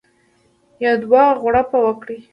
یو دوه غړپه وکړي.